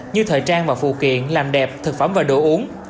như thời trang và phụ kiện làm đẹp thực phẩm và đồ uống